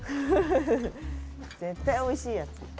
フフフフ絶対おいしいやつ。